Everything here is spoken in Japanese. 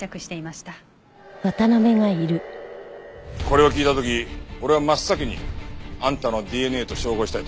これを聞いた時俺は真っ先にあんたのＤＮＡと照合したいと思った。